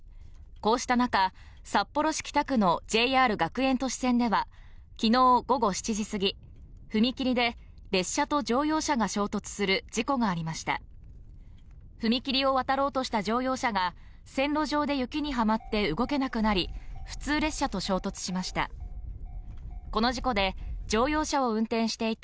こうした中札幌市北区のＪＲ学園都市線では昨日午後７時過ぎ踏切で列車と乗用車が衝突する事故がありました踏切を渡ろうとした乗用車が線路上で雪にはまって動けなくなり普通列車と衝突しました